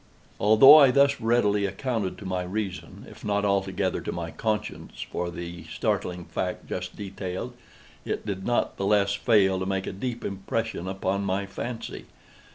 Although I thus readily accounted to my reason, if not altogether to my conscience, for the startling fact just detailed, it did not the less fail to make a deep impression upon my fancy.